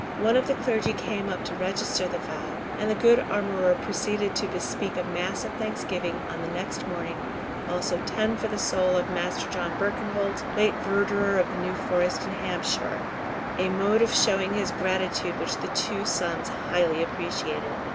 One of the clergy came up to register the vow, and the good armourer proceeded to bespeak a mass of thanksgiving on the next morning, also ten for the soul of Master John Birkenholt, late Verdurer of the New Forest in Hampshire—a mode of showing his gratitude which the two sons highly appreciated.